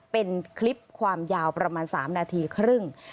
เป็นคลิปความยาวประมาณ๓นาทีครึ่ง